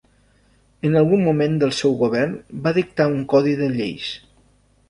En algun moment del seu govern va dictar un codi de lleis.